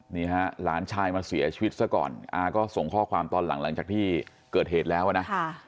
นี่ฮะหลานชายมาเสียชีวิตซะก่อนอาก็ส่งข้อความตอนหลังหลังจากที่เกิดเหตุแล้วนะ